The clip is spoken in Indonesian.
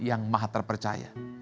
yang maha terpercaya